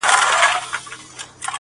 • پر دې متل باندي څه شك پيدا سو.